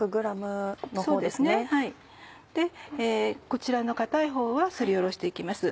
こちらの硬いほうはすりおろして行きます。